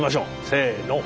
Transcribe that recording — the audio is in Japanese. せの。